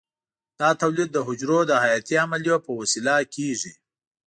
دا تولید د حجرو د حیاتي عملیو په وسیله کېږي.